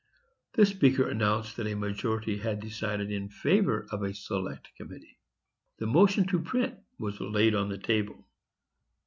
The speaker announced that a majority had decided in favor of a select committee. The motion to print was laid on the table.